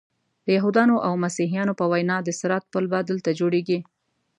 د یهودانو او مسیحیانو په وینا د صراط پل به دلته جوړیږي.